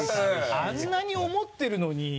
あんなに思ってるのに。